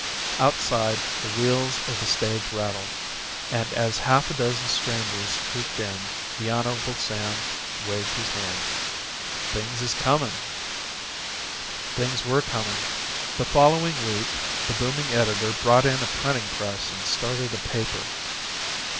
Outside, the wheels of the stage rattled, and as half a dozen strangers trooped in, the Hon. Sam waved his hand: "Things is comin'." Things were coming. The following week "the booming editor" brought in a printing press and started a paper.